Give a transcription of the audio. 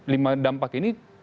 lima dampak ini